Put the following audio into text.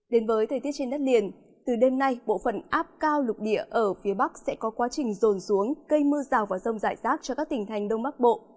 đến với thời tiết trên đất liền từ đêm nay bộ phần áp cao lục địa ở phía bắc sẽ có quá trình rồn xuống cây mưa rào và rông rải rác cho các tỉnh thành đông bắc bộ